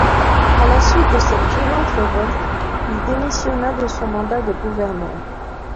À la suite de cette violente révolte, il démissionna de son mandat de gouverneur.